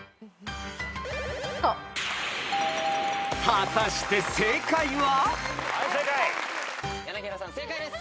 ［果たして正解は？］